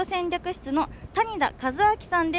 室の谷田一晃さんです。